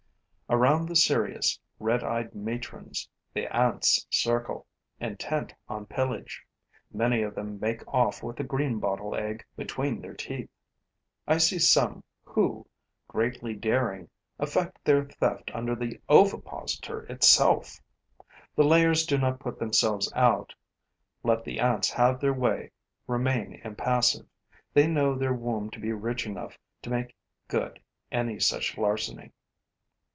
Around the serious, red eyed matrons, the Ants circle, intent on pillage. Many of them make off with a greenbottle egg between their teeth. I see some who, greatly daring, effect their theft under the ovipositor itself. The layers do not put themselves out, let the ants have their way, remain impassive. They know their womb to be rich enough to make good any such larceny.